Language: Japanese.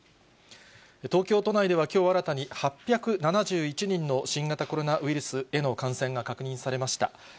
東京都内ではきょう新たに８７１人の新型コロナウイルスへの感染が確認されました。